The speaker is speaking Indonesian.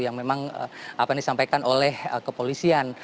yang memang apa yang disampaikan